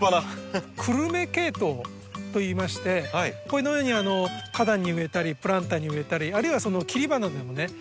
「久留米ケイトウ」といいましてこのように花壇に植えたりプランターに植えたりあるいは切り花でもね